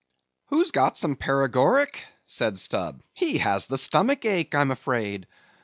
"Who's got some paregoric?" said Stubb, "he has the stomach ache, I'm afraid.